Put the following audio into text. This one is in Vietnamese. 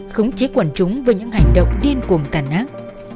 khống chí quần chúng với những hành động điên cuồng tàn ác